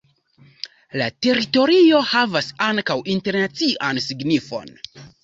La teritorio havas ankaŭ internacian signifon.